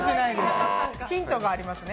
ヒントがあります。